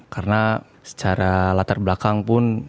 karena secara latar belakang pun